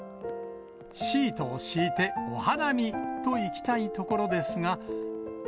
シートを敷いてお花見といきたいところですが。